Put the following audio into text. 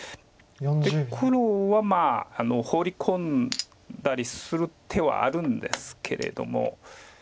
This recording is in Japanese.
黒はホウリ込んだりする手はあるんですけれども。